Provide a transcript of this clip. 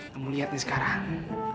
kamu lihat nih sekarang